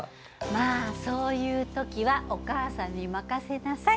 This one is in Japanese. まあそういう時はお母さんに任せなさい。